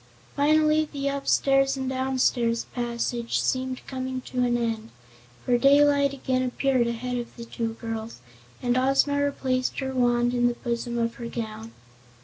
Finally the upstairs and downstairs passage seemed coming to an end, for daylight again appeared ahead of the two girls and Ozma replaced her wand in the bosom of her gown.